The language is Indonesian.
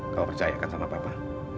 kau percayakan sama papa